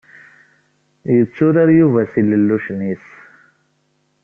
Yetturar Yuba s yilellucen-is.